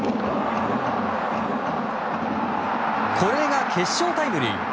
これが決勝タイムリー。